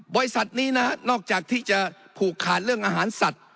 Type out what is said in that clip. บริษัทนี้นะนอกจากที่จะผูกขาดเรื่องอาหารสัตว์